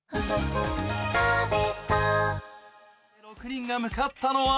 ６人が向かったのは